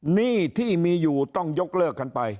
หนี้ที่มีอยู่ต้องยกเลิกกันไป